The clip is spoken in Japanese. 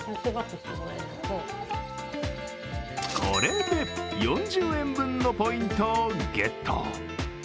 これで４０円分のポイントをゲット。